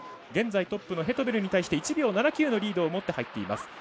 現在トップのヘトメルに対して１秒７９のリードを持っています。